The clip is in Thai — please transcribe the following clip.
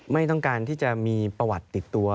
ไม่ต้องการที่จะมีประวัติติดตัว